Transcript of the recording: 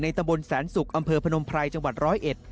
ตำบลแสนศุกร์อำเภอพนมไพรจังหวัดร้อยเอ็ด